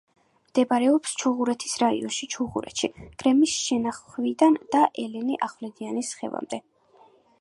მდებარეობს ჩუღურეთის რაიონში, ჩუღურეთში; გრემის შესახვევიდან და ელენე ახვლედიანის ხევამდე.